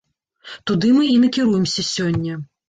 Туды мы і накіруемся сёння.